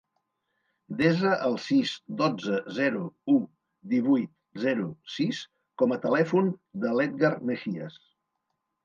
Desa el sis, dotze, zero, u, divuit, zero, sis com a telèfon de l'Edgar Megias.